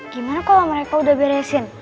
gimana kalau mereka udah beresin